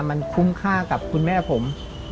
มันคุ้มค่ากับคุณแม่ผม